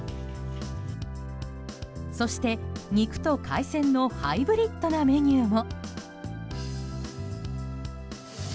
そして、肉と海鮮のハイブリッドなメニューも。